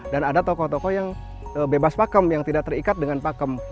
dan ada tokoh tokoh yang bebas pakem yang tidak terikat dengan pakem